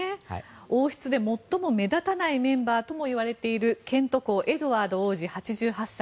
王室で最も目立たないメンバーともいわれているケント公エドワード王子８８歳。